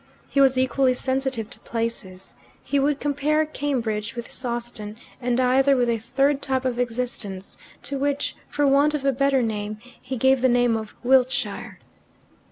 He was equally sensitive to places. He would compare Cambridge with Sawston, and either with a third type of existence, to which, for want of a better name, he gave the name of "Wiltshire."